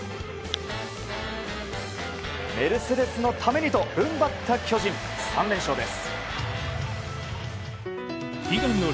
メルセデスのためにと踏ん張った巨人、３連勝です。